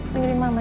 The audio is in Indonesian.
dengerin mama ya